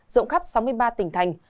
rộng khắp sáu mươi ba tỉnh thành